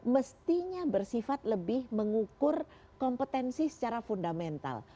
mestinya bersifat lebih mengukur kompetensi secara fundamental